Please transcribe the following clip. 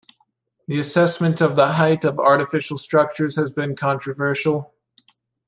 The assessment of the height of artificial structures has been controversial.